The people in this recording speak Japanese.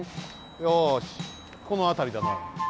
よしこのあたりだな。